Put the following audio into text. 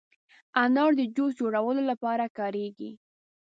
انار د جوس جوړولو لپاره کارېږي.